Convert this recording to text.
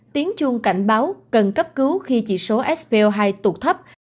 tiếng chuông cảnh báo cần cấp cứu khi chỉ số sv hai tụt thấp